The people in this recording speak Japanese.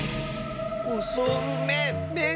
おそうめん？